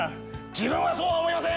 自分はそうは思いません！